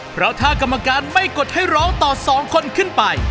เพราะถ้ากรรมการไม่กดให้ร้องต่อสองคนขึ้นไป